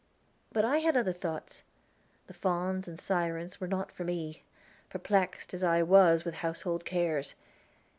But I had other thoughts; the fauns and sirens were not for me, perplexed as I was with household cares.